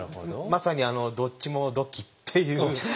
まさに「どっちもドキ」っていう。